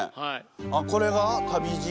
あっこれが旅路？